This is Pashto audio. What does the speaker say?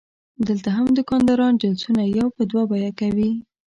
دلته هم دوکانداران جنسونه یو په دوه بیه کوي.